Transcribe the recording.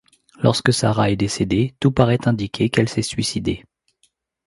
Lorsque Sara est décédée, tout parait indiquer qu'elle s'est suicidée.